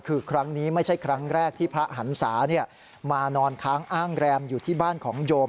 คือครั้งนี้ไม่ใช่ครั้งแรกที่พระหันศามานอนค้างอ้างแรมอยู่ที่บ้านของโยม